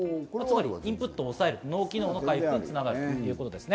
インプットをおさえる、脳機能の回復に繋がるということです。